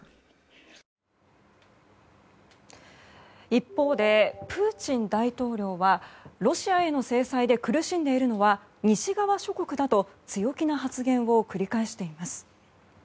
一方でプーチン大統領はロシアへの制裁で苦しんでいるのは西側諸国だと強気な発言を繰り返しています。